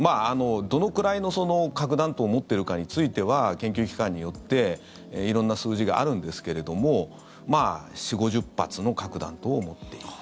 どのくらいの核弾頭を持っているかについては研究機関によって色んな数字があるんですけれども４０５０発の核弾頭を持っている。